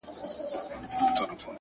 خپل عادتونه خپل راتلونکی جوړوي,